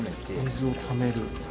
水をためる？